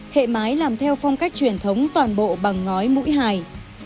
hệ mái làm theo phong cách truyền thống toàn bộ bằng ngói mũi hài